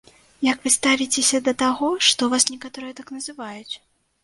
Як вы ставіцеся да таго, што вас некаторыя так называюць?